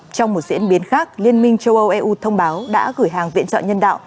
trong một diễn biến khác liên minh châu âu eu thông báo đã gửi hàng viện trợ nhân đạo